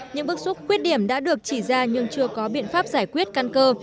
những bức xúc quyết điểm đã được chỉ ra nhưng chưa có biện pháp giải quyết căn cơ